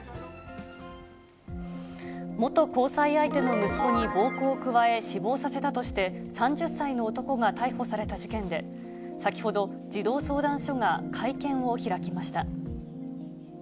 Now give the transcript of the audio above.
元交際相手の息子に暴行を加え、死亡させたとして、３０歳の男が逮捕された事件で、先ほど、児童相談所が会見を開きました。